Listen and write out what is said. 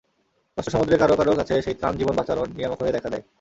কষ্ট-সমুদ্রে কারও কারও কাছে সেই ত্রাণ জীবন বাঁচানোর নিয়ামক হয়ে দেখা দেয়।